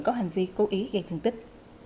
có hành vi cố ý gây thương tích